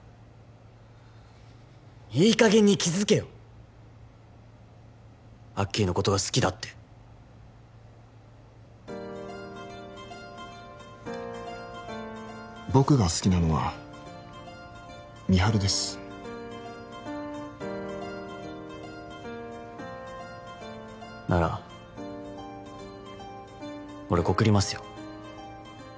いい加減に気づけよアッキーのことが好きだって僕が好きなのは美晴ですなら俺告りますよ